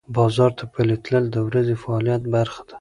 بازار ته پلي تلل د ورځې فعالیت برخه ده.